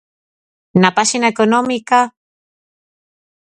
Na páxina económica...